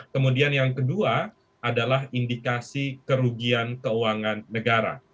kemudian yang kedua adalah indikasi kerugian keuangan negara